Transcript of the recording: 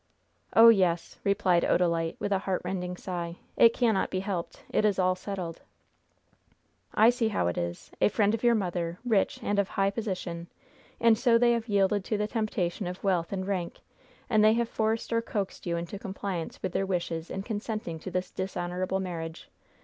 "Oh, yes," replied Odalite, with a heartrending sigh. "It cannot be helped. It is all settled." "I see how it is! A friend of your mother, rich, and of high position; and so they have yielded to the temptation of wealth and rank, and they have forced or coaxed you into compliance with their wishes in consenting to this dishonorable marriage!